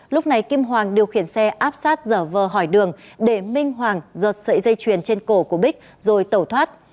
lúc này kim hoàng điều khiển xe áp sát dở vờ hỏi đường để minh hoàng giật sợi dây chuyền trên cổ của bích rồi tẩu thoát